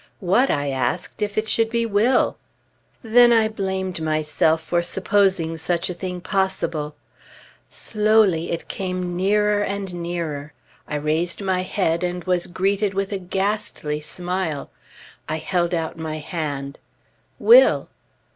What, I asked, if it should be Will? Then I blamed myself for supposing such a thing possible. Slowly it came nearer and nearer, I raised my head, and was greeted with a ghastly smile. I held out my hand. "Will!"